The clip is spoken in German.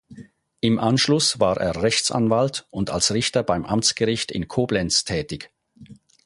Im Anschluss war er Rechtsanwalt und als Richter beim Amtsgericht in Koblenz tätig.